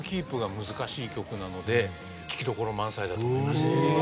曲なので聴きどころ満載だと思います。